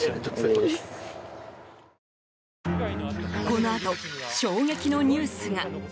このあと、衝撃のニュースが。